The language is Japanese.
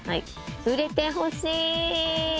売れてほしい！